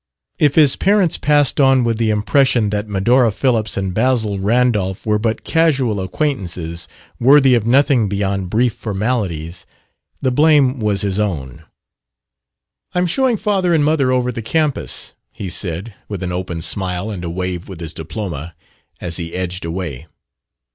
If his parents passed on with the impression that Medora Phillips and Basil Randolph were but casual acquaintances, worthy of nothing beyond brief formalities, the blame was his own. "I'm showing father and mother over the campus," he said, with an open smile and a wave with his diploma, as he edged away.